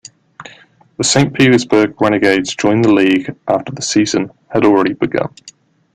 The Saint Petersburg Renegades joined the league after the season had already begun.